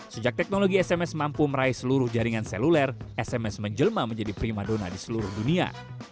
sejak teknologi sms mampu meraih seluruh jaringan seluler sms menjelma menjadi prima dona di seluruh dunia